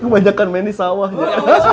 banyak kan menis sawahnya